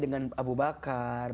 dengan abu bakar